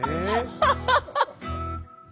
ハハハハハ。